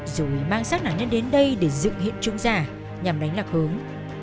rồi mang sát nạn nhân đến đây để dựng hiện trường ra nhằm đánh lạc hướng